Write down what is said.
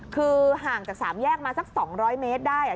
คือห่างจาก๓แยกมาสัก๒๐๐เมตรได้